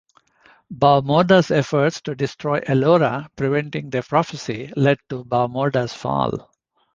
Bavmorda's efforts to destroy Elora, preventing the prophecy, led to Bavmorda's fall.